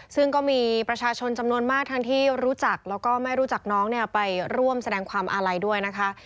ซึ่งก็มีประชาชนจำนวนมากทั้งที่รู้จักแล้วก็ไม่รู้จักน้องเนี่ยไปร่วมแสดงความอาลัยด้วยนะคะ